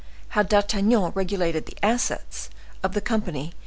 How D'Artagnan regulated the "Assets" of the Company.